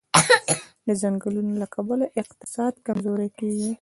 د جنګونو له کبله اقتصاد کمزوری کېږي.